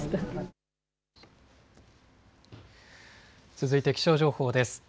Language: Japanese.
続いて気象情報です。